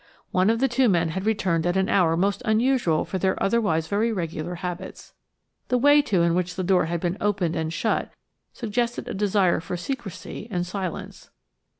One of the two men had returned at an hour most unusual for their otherwise very regular habits. The way, too, in which the door had been opened and shut suggested a desire for secrecy and silence.